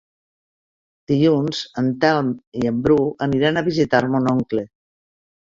Dilluns en Telm i en Bru aniran a visitar mon oncle.